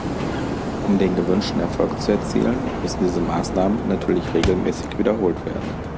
Um den gewünschten Erfolg zu erzielen, müssen diese Maßnahmen natürlich regelmäßig wiederholt werden.